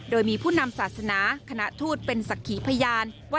โดยมีผู้นำศาสนาคณะทูตเป็นสักขีพยานว่า